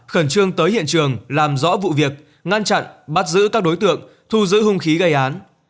khẩn trương tới hiện trường làm rõ vụ việc ngăn chặn bắt giữ các đối tượng thu giữ hung khí gây án